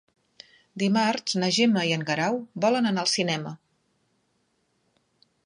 Dimarts na Gemma i en Guerau volen anar al cinema.